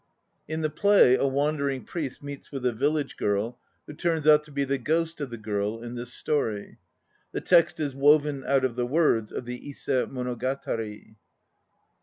210 220 THE NO PLAYS OF JAPAN In the play a wandering priest meets with a village girl, who turns out to be the ghost of the girl in this story. The text is woven out of the words of the Ise Monogatari.